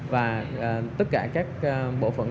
và tất cả các bộ phận